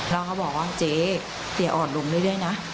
แล้วเขาบอกว่าเจ๊เตี๋ยวอ่อนลงได้นะ